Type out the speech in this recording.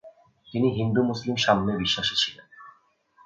তিনি হিন্দু-মুসলিম সাম্যে বিশ্বাসী ছিলেন।